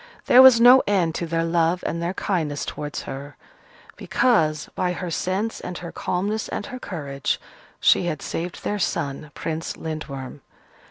There was no end to their love and their kindness towards her: because, by her sense and her calmness and her courage, she had saved their son, Prince Lindworm.